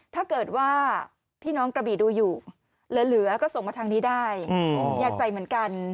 ถ้าเกิดว่าพี่น้องกระบี่ดูอยู่เหลือก็ส่งมาทางนี้ได้อยากใส่เหมือนกัน